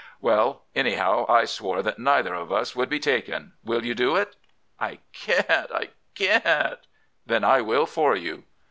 "'Well, anyhow, I swore that neither of us should be taken. Will you do it?' "'I can't! I can't!' "'Then I will for you.